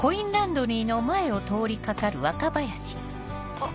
あっ。